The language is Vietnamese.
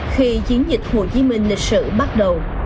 khi chiến dịch hồ chí minh lịch sử bắt đầu